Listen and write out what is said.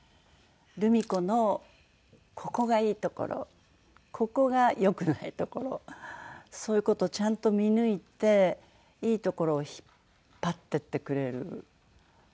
ルミ子のここがいいところここが良くないところそういう事をちゃんと見抜いていいところを引っ張っていってくれる。